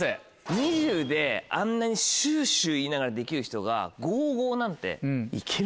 ２０ｋｇであんなにシュシュ言いながらできる人が５・５なんて行けるでしょ。